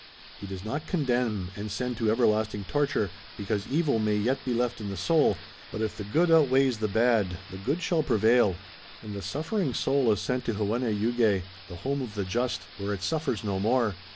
He does not condemn and send to everlasting torture, because evil may yet be left in the soul, but if the good outweighs the bad the good shall prevail and the suffering soul is sent to Hawenneyugeh, the home of the just, where it suffers no more.